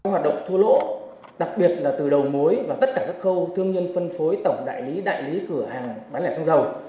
hoạt động thua lỗ đặc biệt là từ đầu mối và tất cả các khâu thương nhân phân phối tổng đại lý đại lý cửa hàng bán lẻ xăng dầu